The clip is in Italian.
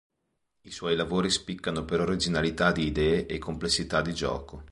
I suoi lavori spiccano per originalità di idee e complessità di gioco.